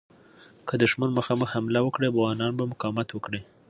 که دښمن مخامخ حمله وکړي، افغانان به مقاومت وکړي.